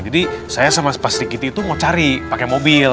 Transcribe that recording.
jadi saya sama pak serik giti itu mau cari pakai mobil